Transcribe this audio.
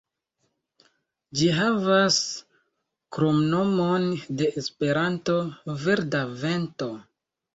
Ĝi havas kromnomon de Esperanto, "Verda Vento".